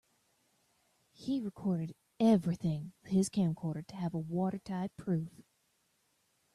He recorded everything with his camcorder to have a watertight proof.